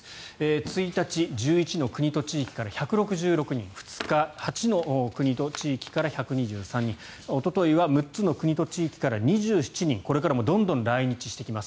１日、１１の国と地域から１６６人２日、８の国と地域から１２３人おとといは６つの国と地域から２７人これからもどんどん来日してきます。